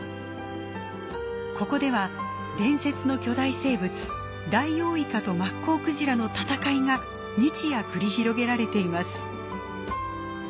ここでは伝説の巨大生物ダイオウイカとマッコウクジラの闘いが日夜繰り広げられています。